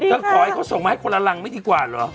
ขอให้เขาส่งมาให้คนละรังไม่ดีกว่าเหรอ